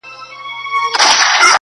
هم د سپيو هم سړيو غالمغال دئ -